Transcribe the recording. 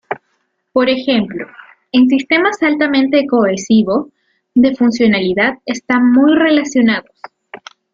Por ejemplo, en sistemas altamente cohesivo de funcionalidad están muy relacionados.